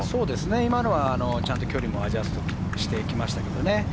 今のはちゃんと距離もアジャストしていきましたね。